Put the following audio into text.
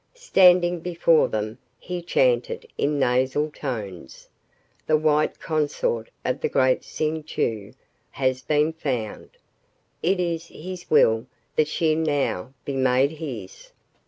Standing before them, he chanted in nasal tones, "The white consort of the great Ksing Chau has been found. It is his will that she now be made his."